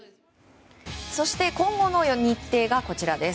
そして今後の日程がこちらです。